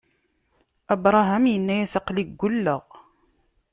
Abṛaham inna-yas: Aql-i ggulleɣ.